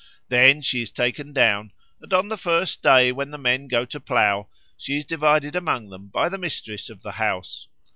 Then she is taken down, and on the first day when the men go to plough she is divided among them by the mistress of the house.